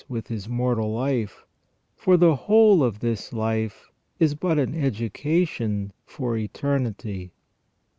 379 with his mortal life, for the whole of this life is but an education for eternity.